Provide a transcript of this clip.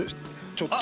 ちょっと。